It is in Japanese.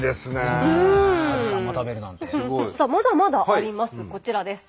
さあまだまだあります。